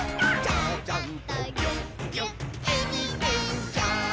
「ちゃちゃんとぎゅっぎゅっえびてんちゃん」